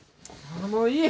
あもういい！